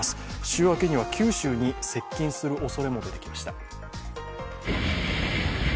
週明けには九州に接近するおそれも出てきました。